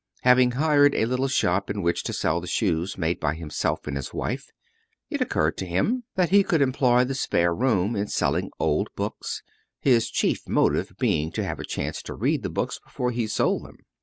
Having hired a little shop in which to sell the shoes made by himself and his wife, it occurred to him that he could employ the spare room in selling old books, his chief motive being to have a chance to read the books before he sold them.